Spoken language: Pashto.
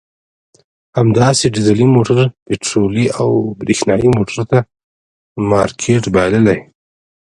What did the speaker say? همداسې ډیزلي موټر پټرولي او برېښنایي موټر ته مارکېټ بایللی.